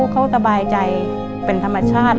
เขาสบายใจเป็นธรรมชาติ